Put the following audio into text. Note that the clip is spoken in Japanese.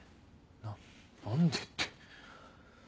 な何でって。